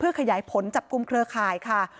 เพื่อขยายผลจับกลุ่มเครือคายค่ะ